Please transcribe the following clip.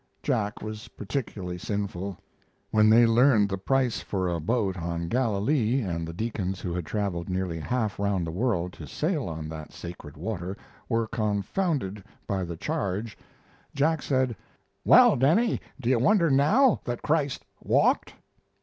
Jack was particularly sinful. When they learned the price for a boat on Galilee, and the deacons who had traveled nearly half around the world to sail on that sacred water were confounded by the charge, Jack said: "Well, Denny, do you wonder now that Christ walked?"